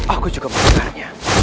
aku juga mengingatnya